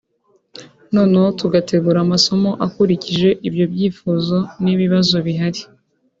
noneho tugategura amasomo akurikije ibyo byifuzo n’ibibazo bihari”